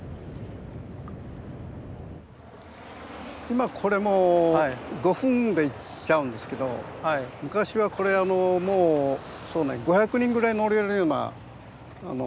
今これもう５分で行っちゃうんですけど昔はこれあのもうそうね５００人ぐらい乗れるようなあの。